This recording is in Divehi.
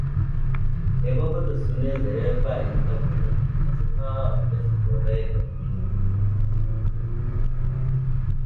އެވަގުތު ސުނިލް ދެރަވެފައި އިންތަން ފެނުމުން އަޒުރާއަށްވެސް ރޮވޭގޮތްވި